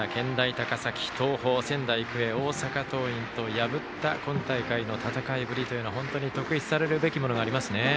高崎、東邦仙台育英、大阪桐蔭と破った戦いぶりというのは特筆されるべきものがありますね。